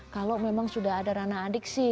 kalau memang sudah ada ranah adik sih